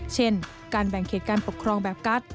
เช่นการแบ่งเขตการปกครองแบบกัส